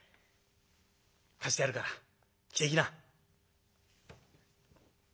貸してやるから着ていきな」。